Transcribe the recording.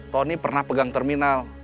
tony pernah pegang terminal